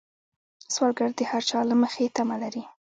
سوالګر د هر چا له مخې تمه لري